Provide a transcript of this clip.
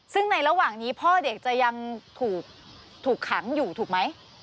ซึ่งในระหว่างนี้พ่อเด็กจะยังถูกขังอยู่ถูกไหม